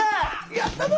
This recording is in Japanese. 「やったぞ！